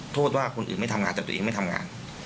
โทษว่าคนอื่นไม่ทำงานแต่ตัวเองไม่ทำงาน